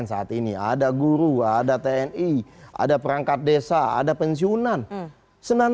saat ini ada guru ada tni ada perangkat desa ada pensiunan